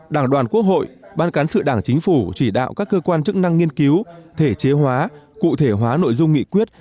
đảng đoàn quốc hội ban cán sự đảng chính phủ chỉ đạo các cơ quan chức năng nghiên cứu thể chế hóa cụ thể hóa nội dung nghị quyết